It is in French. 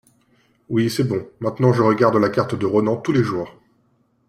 Oui c’est bon, maintenant je regarde la carte de Ronan tous les jours.